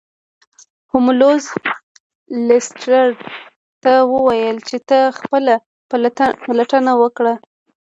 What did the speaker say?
هولمز لیسټرډ ته وویل چې ته خپله پلټنه وکړه.